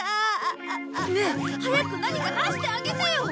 ねえ早く何か出してあげてよ！